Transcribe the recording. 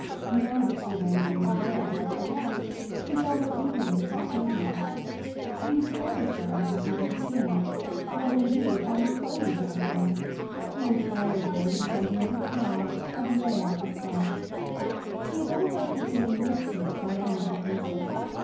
Now that she learned he was there, nevertheless, she felt no eagerness to receive him. He was the finest young man she had ever seen, was indeed quite a splendid young man; he inspired her with a sentiment of high, of rare respect. She had never felt equally moved to it by any other person.